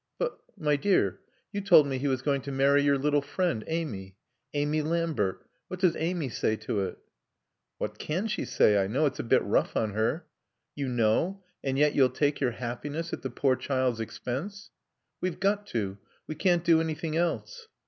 "But, my dear, you told me he was going to marry your little friend, Amy Amy Lambert. What does Amy say to it?" "What can she say? I know it's a bit rough on her " "You know, and yet you'll take your happiness at the poor child's expense." "We've got to. We can't do anything else."